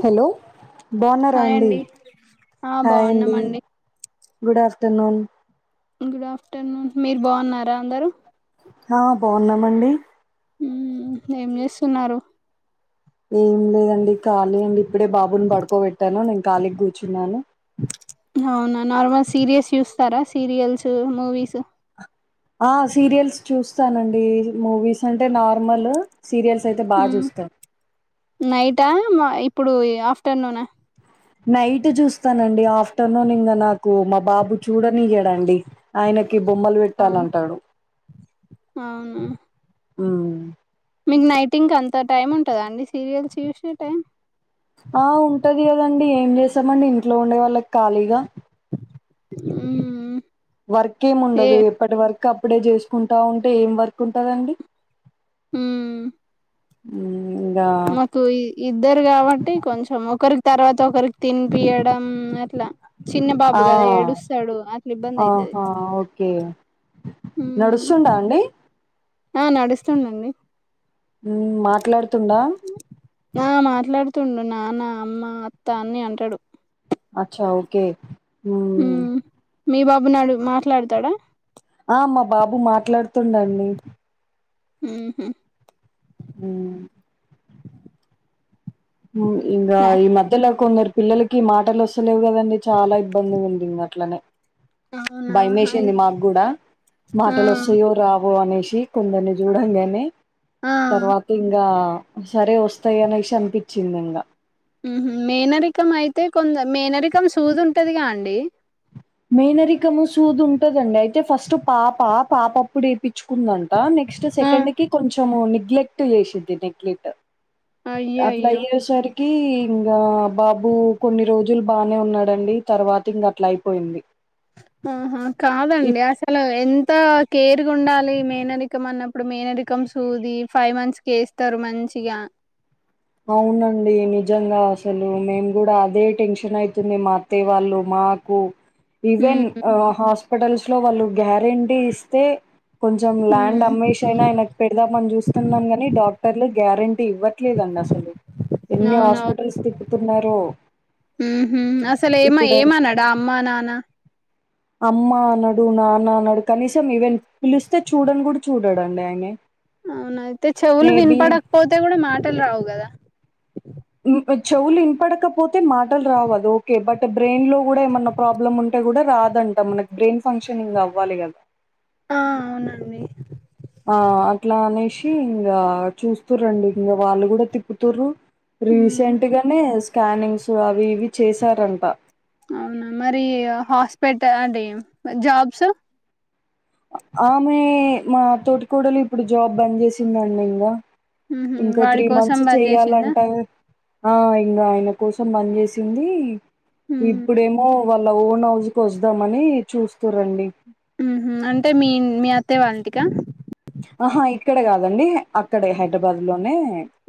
Hello బావున్నారా అండి ఆ హాయ్ అండి బాగున్నామండి గుడ్ ఆఫ్టర్నూన్ గుడ్ ఆఫ్టర్నూన్ మీరు బావున్నారా అందరు ఆ బాగున్నామండి ఏం చేస్తున్నారు ఏం లేదండి ఖాళీ అండి ఇప్పుడే బాబుని పడుకోబెట్టాను నేను ఖాళీకి కూర్చున్నాను అవునా నార్మల్ సీరియల్స్ చూస్తారా సీరియల్స్ మూవీస్ ఆ సీరియల్స్ చూస్తానండి మూవీస్ అంటే నార్మల్ సీరియల్స్ అయితే బాగా మ్ చూస్తాారు నైటా ఇప్పుడు ఆఫ్టర్నూనా నైట్ చూస్తానండి ఆఫ్టర్నూన్ ఇంకా నా కు మా బాబు చూడని చేడండి ఆయనకి బొమ్మలు అవును పెట్టాలంటాడు అవును ఉ మీకు నైటింగ్ అంత టైం ఉంటుందా అండి సీరియల్స్ చూసే టైం ఆ ఉంటది కదండి ఏం చేసామండి ఇంట్లో ఉండే వాళ్ళకి ఖాళీగా ఊ వర్క్మి ఉండదు ఎప్పటి వర్క్ అప్పుడే చేసుకుంటా ఉంటే ఏం వర్క్ ఉంటందండి ఉ ఉ మాకు ఇద్దరు కాబట్టి కొంచెం ఒకరి తర్వాత ఒకరికి తినిపియడం అట్లా చిన్న బాబు ఆ కదా ఏడుస్తాడు అట్లు ఇబ్బంది అవుతుది నడుస్తుడా అండి ఆ నడుస్తుండండి మాట్లాడుతుందా ఆ మాట్లాడుతుండు నాన్న అమ్మ అత్త అన్ని అంటాడు అచ్చా ఓకే ఉ మ్మ్ మీ బాబు నాడు మాట్లాడతాడా ఆ మా బాబు మాట్లాడుతుండండి ఉహు ఉ ఉ ఇంకా ఈ మధ్యలాకుందరి పిల్లలకి మాటలు వస్తలేవు కదండి చాలా ఇబ్బంది ఉంది ఇ అట్లనే అవునా భయ హాయ్ వేసింది మాకు కూడా ఆ మాటలో సుయో రావు అనే కుందని చూడంగానే ఆ తర్వాత ఇంకా సరే వస్తాయి అనేసి అనిపించింది ఇంకా మేనరికం అయితే కొంద మేనరికం సూదు ఉంటదిగా అండి మేనరికము సూద్ ఉంటదండి అయితే ఫస్ట్ పాప పాపప్పుడు వేయించుకుందం నెక్స్ట్ ఆ సెకండ్ కి కొంచెం నిగ్లెక్ట్ చేసిద్ది నెగలెక్ట్ అయ్యో అట్లా అయ్యో అయ్యేసరికి ఇంకా బాబు కొన్ని రోజులు బానే ఉన్నాడండి తర్వాత ఇంక అట్లా అయిపోయింది ఆహా కాదండి అసలు ఎ అంత కేర్గా ఉండాలి మేనరికం అన్నప్పుడు మేనరికం సూది ఫైవ్ మంత్స్కి వేస్తారు మంచి చ్చగా అవునండి నిజంగా అసలు మేము కూడా అదే టెన్షన్ అయితుంది మా అత్తే వాళ్ళు మా నాకు ఈవెన్ మ్మ్ హాస్పిటల్స్ లో వాళ్ళు గ్యారెంటీ ఇస్తే కొంచెం ల్యాండ్ మ్మ్ అమ్మేష్ అయినా ఆయనకి పెడదా మని చూస్తున్నాం ని డాక్ట డాటర్లు గ్యారంటీ ఇవ్వట్లేదుండి అసలు ఎన్ని హాస్పిటల్స్ తిప్పుతున్నారో ఉహు అసలు ఏమ ఇప్పుడు ఏమన్నాడా అమ్మా నానా అమ్మ అన్నాడు నాన్న అన్నాడు కనీసం ఇవన్న పిలిస్తే చూడని కూడా చూడాడండి ఆయనే అవునయితే చెవులు వినపడకపోతే కూడా మాటలు రావు కదా నీకు చెవులు ఇంపడకపోతే మాటలు రావదు ఓకే బట్ బ్రెయిన్ లో కూడా ఏమన్నా ప్రాబ్లమ్ ఉంటు కూడా రాదంట మనకి బ్రెయిన్ ఫంక్షనింగ్ అవ్వాలి కదా ఆ అవునండి ఆ అట్లా అనేసి ఇంకా చూస్త రండి ఇంకా వాళ్ళు కూడా తిప్పుతారు ఉమ్ రీసెంట్ గానే స్కానింగ్స్ అవి ఇవి చేసారంట అవునా మరి హాస్పిటల్ అండి జాబ్స్ ఆమె మా తోటికోడలు ఇప్పుడు జాబ్ బంద్ చేసిందండి ఇంకా ఉహు ఇంకా వాడి త్రీ కోసం మంత్స్ బంద్ చేసిందా చెయ్యాలంట ఆ ఇంకా ఆయన కోసం పనిచేసింది ఉమ్ ఇప్పుడేమో వాళ్ళ ఓన్ హౌస్ కి వదాంమని చూస్తుర్రండి ఉహు అంటే మీ మీ అత్త వాళ్ళంటికా ఆహా ఇక్కడకాదండి అక్కడే హైదరాబాద్ లోనే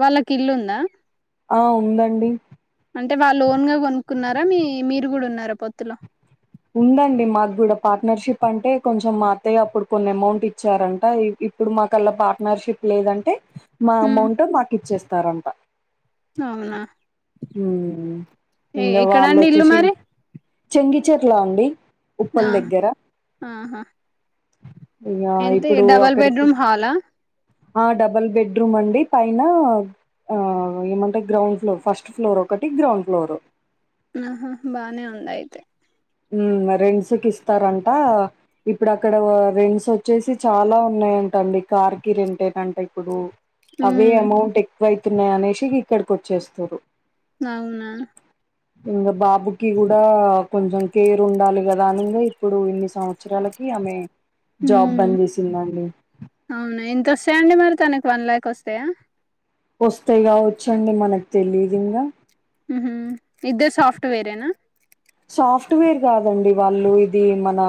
వాళ్ళకి ఇల్లుందా ఆ ఉందండి అంటే వాళ్ళ లోన్ గా కొనుక్కున్నారా మీ మీరు కూడా ఉన్నారా పొత్తులో ఉందండి మాకు కూడా పార్ట్నర్షిప్ అంటే కొంచెం మా అత్తయ్య అప్పుడు కొన్ని అమౌంట్ ఇచ్చారంట ఇప్పుడు మాకల్లా పార్ట్నర్షిప్ లేదంటే మా ఉమ్ అమౌంట్ మాకు ఇచ్చేస్తారంట అవునా ఎ ఇంకా వాళ్ళు ఎక్కడండి ఇల్లు వచ్చేసి మరి చెంగిచర్లా అండి ఆ ఉప్పల్ దగ్గర. ఆహా ఇకా ఎంత ఇప్పుడు డబల్ అక్కడికి బెడ్రూమ్ హాలా ఆ డబల్ బెడ్రూమ్ అండి పైన ఆ ఏమంటే గ్రౌండ్ ఫ్లోర్ ఫస్ట్ ఫ్లోర్ ఒక ఒకటిక్ గ్రౌండ్ ఫ్లోర్ ఉహూ బానే ఉంద అయితే హ్మ్మ్ రెంట్స్కి ఇస్తారంట ఇప్పుడు అక్కడ రెంట్స్ వచ్చేసి చాలా ఉన్నాయి ఏంటండి కార్కిి రెంటే నంట ఇప్పుడు అవే ఉమ్ అమౌంట్ ఎక్కువయితున్నాయి అనేసి ఇక్కడికి వచ్చేస్తారు అవునా ఇంగ బాబుకి కూడా కొంచం కేరు ఉండాలి కదానంగా ఇప్పుడు ఇన్ని సంవత్సరాలకి ఆమె జాబ్ ఉమ్ బంద్ చేసిందండి క వస్తాయండి మరి తనకి వన్ ల్యాక్ వస్తాయా వస్తాయి కా వచ్చండి మనకు తెలిదుంగా ఉహూ ఇద్దరు సాఫ్ట్వేర్ ఏనా సాఫ్ట్వేర్ కాదండి వాళ్ళు ఇది మన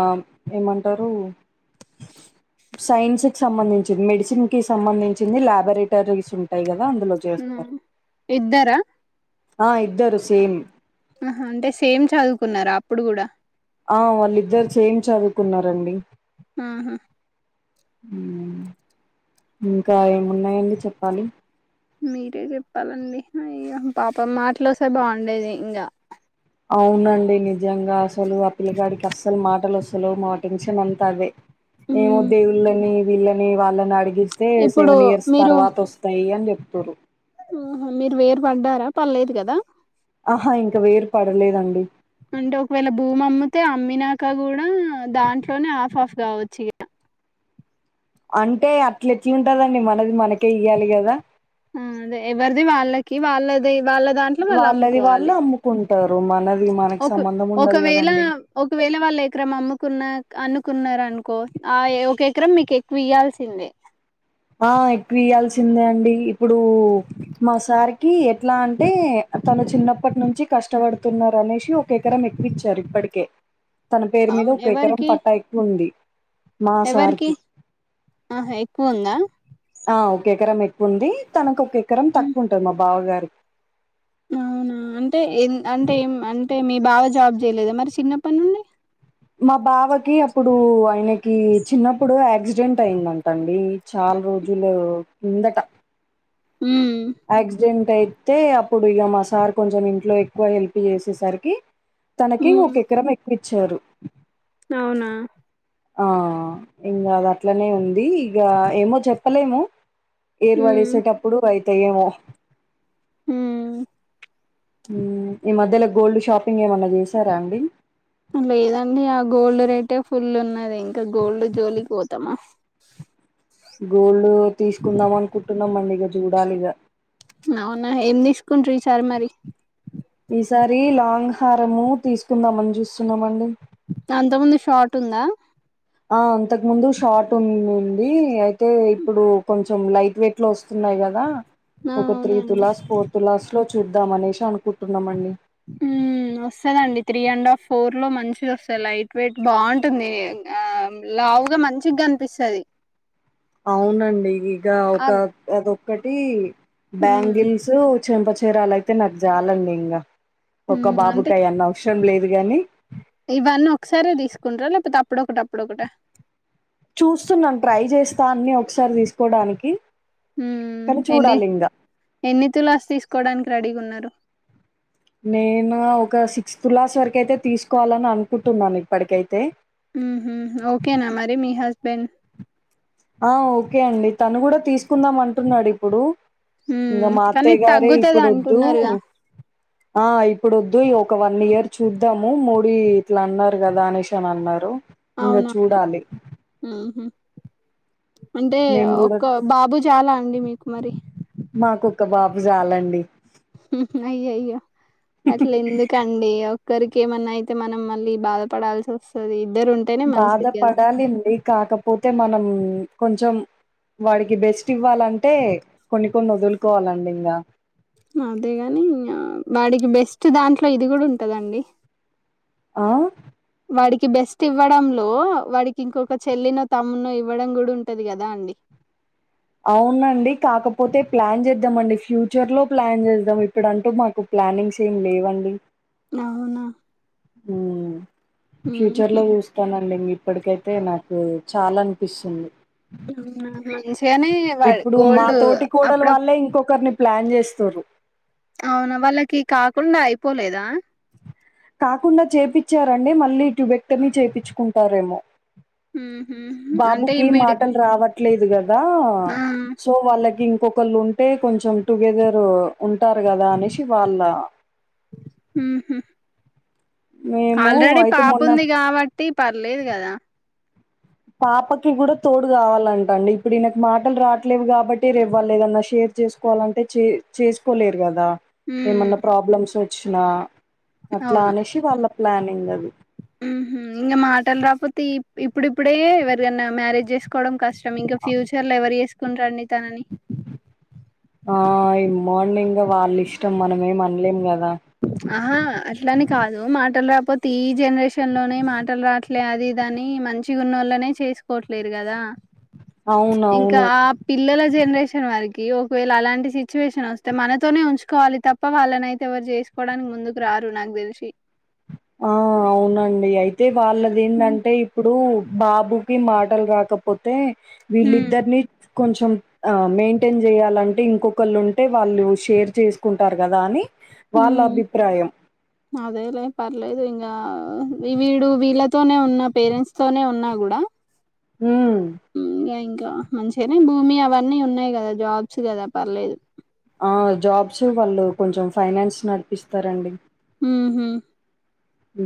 ఏమంటారు సైన్స్ కి సంబంధించింది మెడిసిన్ కి సంబంధించింది ల్యాబొరేటరీస్ ఉంటాయి కదా ఉ ఇద్దరా ఆ ఇద్దరు సేమ్ ఆహా అంటే సేమ్ చదువుకున్నారా అప్పుడు కూడా ఆ వాళ్ళిద్దరు సేమ్ చదువుకున్నారండి ఉహూ ఇంకా ఏమున్నాయండి చెప్పాలి మీరే చెప్పాలండి హ్మ్మ్ పాప మాటలు వస్తే బాగుండేది ఇంకా అవునండి నిజంగా అసలు ఆ పిల్లగాడికి అస్సలు మాటలు అసలు మా టెన్షన్ అంతా అదే ఏమో మ్, దేవుళ్ళని వీళ్ళని వాళ్ళని అడి గిస్తే ఇప్పుడు సెవెన్ ఇయర్స్ మీరు తర్వాత వస్తాయి అని చెప్తారు ఆహా మీరు వేరు పడ్డారా పర్లేదు కదా ఆహా ఇంకా వేరు పడలేదండి అంటే ఒకవేళ భూమి అమ్మితే అమ్మినాక కూడా దాంట్లోనే ఆఫ్ ఆఫ్ రావచ్చు అ అంటే అట్ల ఎట్ల ఉంటదండి మ అది మనకే ఇయ్యాలి కదా అదే ఎవరిది వాళ్ళకి వాళ్ళది వాళ్ళ దాంట్లో వాళ్ళు అమ్ముకోవాలి టారు మన ఒక ఒకవేళ ఒకవేళ వాళ్ళు ఎకరం అమ్ముకున్న అనుకున్నారు అనుకో ఆ ఒక ఎకరం మీకు ఎక్కువ ఇయ్యాల్సిందే ఆ ఎక్కువ ఇయ్యాల్సిందే అండి ఇప్పుడు మా సారికి ఎట్లా అంటే తను చిన్నప్పటి నుంచి కష్టపడుతున్నారు అనేసి ఒక ఎకరం ఎక్కువ ఇచ్చారు ఇప్పటికే తన పేరు మీద అవును ఒక ఎకరం ఎవరికి పట్టా ఎక్కువ ఉంది ఎవరికి ఆహ ఎక్కువ ఉందా ఆ ఒక ఎకరం ఎక్కువ ఉంది తనకు ఒక ఎకరం హ్మ్. తక్కువ ఉంటది మా బావ గారికి అవునా అంటే అంటే ఏం అంటే మీ బావ జాబ్ చేయలేదా మరి చిన్నప్పటి నుండి మా బావకి అప్పుడు ఆయనకి చిన్నప్పుడు యాక్సిడెంట్ అయిందంటండి చాలా రోజులు కిందట ఉమ్ యాక్సిడెంట్ అయితే అప్పుడు ఇక మా సార్ కొంచెం ఇంట్లో ఎక్కువ హెల్ప్ చేసేసరికి తనకి హ్మ్. ఒక ఎకరం ఎక్కువిచ్చారు అవునా ఆ ఇంక అది అట్లనే ఉంది ఇక ఏమో చెప్పలేము ఏర్ హ్మ్. పడేసేటప్పుడు అయిత ఏమో ఉమ్ ఈ మధ్యలో గోల్డ్ షాపింగ్ ఏమన్నా చేసారా అండి లేదండి ఆ గోల్డ్ రేటే ఫుల్ ఉన్నది ఇంకా గోల్డ్ జోలికి పోతామా గోల్డ్ తీసుకుందాం అనుకుంటున్నామండి ఇక చూడాలిక అవునా ఏం తీసుకుంట్రూ ఈ సారి మరి ఈసారి లాంగ్ హారము తీసుకుందామని చూస్తున్నామండి అంతకుముందు షార్ట్ ఉందా ఆ అంతకు ముందు షార్ట్ ఉందండి అయితే ఇప్పుడు కొంచెం లైట్ వెయిట్ లో వస్తున్నాయి కదా ఆ! ఒక త్రీ అవునండి తులాస్ ఫోర్ తులాస్ లో చూద్దాం అనేసి అనుకుంటున్నామండి ఉమ్ వస్తదండి త్రీ అండ్ హఫ్ ఫోర్ లో మంచిది వస్తది లైట్ వెయిట్ బావుంటుంది లావుగా మంచిగనిపిస్తది అవునండి ఇక ఒక అదొక్కటి హ్మ్. బ్యాంగిల్స్ చెంప చేరాలయితే నాకు జాలండి ఇంకా ఒక్క హ్మ్. అంటే బాబుకి అయన్ని అవసరం లేదు గాని ఇవన్నీ ఒకసారే తీసుకుంటార లేకపోతే అప్పుడొకటి అప్పుడోకట చూస్తున్నాను ట్రై చేస్తా అన్ని ఒకసారి తీసుకోడానికి ఉమ్ ఎన్ని ఎన్ని తులాస్ తీసుకోవడానికి రెడీగా ఉన్నారు నేను ఒక సిక్స్ తులాస్ వరకు అయితే తీసుకోవాలని అనుకుంటున్నాను ఇప్పటికైతే ఉహు ఓకేనా మరి మీ హస్బెండ్ ఆ ఓకే అండి తను కూడా తీసుకుందాం అంటున్నాడు ఇప్పుడు ఇంకా హ్మ్. మా కానీ అత్తయ్య గారే తగ్గుతది ఇప్పుడు వద్దు అంటున్నరుగా? ఆ ఇప్పుడు వద్దు ఒక వన్ ఇయర్ చూద్దాము మోడీ ఇట్లా అన్నారు కదా అనేసి అని అన్నారు ఇంగ అవునవును. చూడాలి హుహు. అంటే మేము కూడా ఒక బాబు చాలా అండి మీకు మరి మాకు ఒక్క బాబు చాలండి అయ్య య్యో అట్ల ఎందుకండి ఒకరికి ఏమన్నా అయితే మనం మళ్ళ బాధపడాల్సి వస్తది ఇద్దరు ఉంటేనే మంచిది కదా బాధపడాలండి కాకపోతే మనం కొంచెం వాడికి బెస్ట్ ఇవ్వాలంటే కొన్ని కొన్ని వదులుకోవాలండి ఇంగా అదేగాని ఇగ వాడికి బెస్ట్ దాంట్లో ఇది కూడా ఉంటదండి. ఆ వాడికి బెస్ట్ ఇవ్వడంలో వాడికి ఇంకొక చెల్లినో తమ్మునో ఇవ్వడం కూడా ఉంటది కదా అండి. అవునండి కాకపోతే ప్లాన్ చేద్దామ అండి ఫ్యూచర్ లో ప్లాన్ చేద్దాం ఇప్పుడు అంటూ మాకు ఓ ప్లానింగ్స్ ఏమి లేవండి. అవునా హ ఫ్యూచర్ ఉహు లో చూస్తానండి మీ ఇప్పటికైతే నాకు చాల్ అనిపిస్తుంది. మంచిగానే వాడు ఇప్పుడు మా గోల్డ్ తోటి కోడల్ అప్పుడ వాళ్ళే ఇంకొకరిని ప్లాన్ చేస్త్రర్రు అవునా వాళ్ళకి కాకుండా అయిపోలేదా? కాకుండా చేపిచ్చారండి మళ్ళీ ట్యూబెక్టమి చేపిచ్చుకుంటారేమో? ఉహు అంటే బాబుకి వీడి మాటలు రావట్లేదు కదా ఆ సో వాళ్ళకి ఇం ఒకొళ్ళు ఉంటే కొంచెం టుగెదర్ ఉంటారు కదా అనేషి వాళ్ళ హు హు మేము ఆల్రెడీ అయితే పాప మొన్న ఉంది కావట్టి పర్లేదు కదా పాపకి కూడా తోడు కావాలంట అండి ఇప్పుడు ఈయనకు మాటలు రాట్లేవు కాబట్టి రేప్ వాల్లేదన్న షేప్ ర్ చేసుకోవాలంటే చే చేసుకోలేరు కదా ఉ ఏమన్నా ప్రాబ్లమ్స్ వచ్చినా అట్లా అవును అనేసి వాళ్ళ ప్లానింగ్ అది ఉహు ఇంగ మాటలు రాపోతే ఇ ఇప్పుడిప్పుడే ఎవరికన్నా మ్యారేజ్ చేసుకోవడం కష్టం ఇంకా ఫ్యూచర్ లో ఎవరు చేసుకుంటారండి. తనని ఆ ఏమ్మో అని ఇగ వాళ్ళ ఇష్టం మనమేం అనలేం కదా ఆహా అట్లాని కాదు మాటలు రాకపోతే ఈ జనరేషన్ లోనే మాటలు రాట్లే అది ఇది అని మంచిగున్న ల్లనే చేసుకోట్లేదు కదా ఇంకా అవునవును ఆ పిల్లల జనరేషన్ వరికి ఒకవేళ అలాంటి సిచ్యువేషన్ వస్తే మనతోనే ఉంచుకోవాలి తప్ప వాళ్ళని అయితే ఎవరు చేస్ కోవడానికి ముందుకురారు. నాకు తెలిసి ఆ అవునండి. అయితే వాళ్ళది ఉమ్ ఏందంటే ఇప్పుడు బాబుకి మాటలు రాకపోతే వీళ్ళిద్దరిని కొంచెం మెయింటైన్ చేయాలంటే ఇంకొకలు ఉంటే వాళ్ళు షేర్ చేసుకుంటారు కదా అని వాళ్ళ అభిప్రాయం లేదు ఇంగా వీడు వీళ్ళతోనే ఉన్నా పేరెంట్స్ తోనే ఉన్నా కూడా హ్మ్. ఇంగా ఇంకా మంచిగానే భూమి అవన్నీ ఉన్నాయి కదా జాబ్స్ కదా పర్లేదు. ఆ జాబ్సే వాళ్ళు కొంచెం ఫైనాన్స్ నడిపిస్తారండి. ఉహుం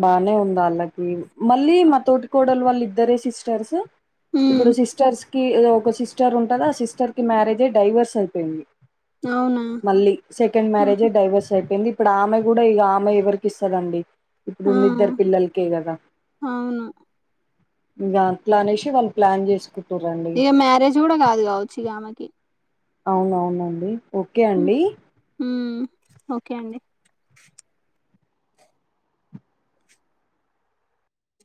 బానే ఉందాళ్ళకి మళ్ళీ మా తోటి కోడలు వాళ్ళు ఇద్దరే సిస్టర్స్ ఇప్పుడు ఉమ్ సిస్టర్స్ కి ఒక సిస్టర్ ఉంటదా ఆ సిస్టర్ కి మ్యారేజే డైవోర్స్ అయిపేయింది. అవునా మళ్ళీ సెకండ్ మ్యారేజ్ ఆహా డైవోర్స్ అయిపేయింది. ఎప్పుడు ఆమె కూడా ఇక ఆమె ఎవరికి ఇస్తదండి. ఆ ఇప్పుడున్న ఇద్దరు పిల్లలకే కదా అవును ఇగ అట్లా అనేసి వాళ్ళు ప్లాన్ చేసుకుర్ ఇగ మ్యారేజ్ కూడా కాదు కావచ్చు ఇగ ఆమెకి అవునవునండి ఓకే అండి. ఉమ్ ఓకే అండి